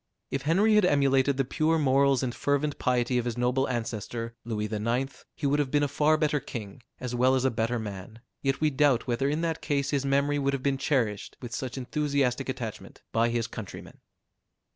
If Henry had emulated the pure morals and fervent piety of his noble ancestor, Louis IX., he would have been a far better king, as well as a better man; yet we doubt whether in that case his memory would have been cherished with such enthusiastic attachment by his countrymen.